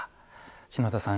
篠田さん